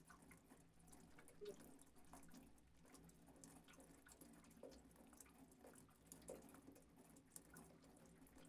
He is also Research Professor and Senior Fellow of Asia Center at Harvard University.